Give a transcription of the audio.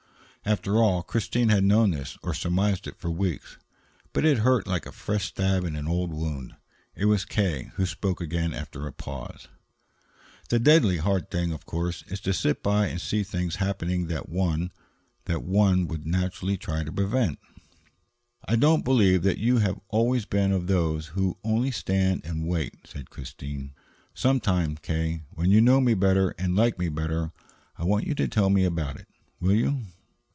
After all, Christine had known this, or surmised it, for weeks. But it hurt like a fresh stab in an old wound. It was K. who spoke again after a pause: "The deadly hard thing, of course, is to sit by and see things happening that one that one would naturally try to prevent." "I don't believe that you have always been of those who only stand and wait," said Christine. "Sometime, K., when you know me better and like me better, I want you to tell me about it, will you?"